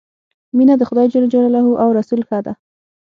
مینه د خدای ج او رسول ښه ده.